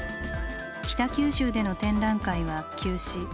北九州での展覧会は休止。